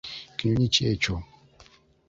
Kinyonyi ki ekyo?